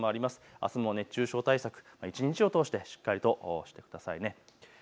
あすも熱中症対策、一日を通してしっかりとしてください。